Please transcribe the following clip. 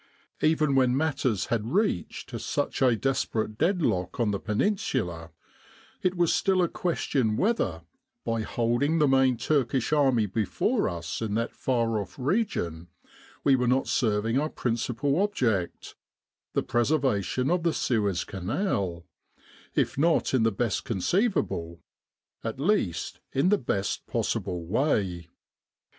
Even when matters had reached such a desperate deadlock on the Peninsula, it was still a question whether, by holding the main Turkish army before us in that far off region, we were not F 69 With the R.A.M.C. in Egypt serving our principal object, the preservation of the Suez Canal, if not in the best conceivable, at least in the best possible way.